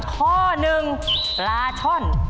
ข้อหนึ่งปลาช่อน